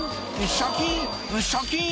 シャキン！